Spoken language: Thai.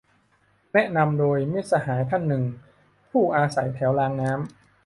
แนะนำโดย มิตรสหายท่านหนึ่ง ผู้อาศัยแถวรางน้ำ